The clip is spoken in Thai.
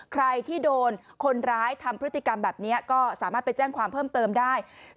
ใครที่โดนคนร้ายทำพฤติกรรมแบบนี้ก็สามารถไปแจ้งความเพิ่มเติมได้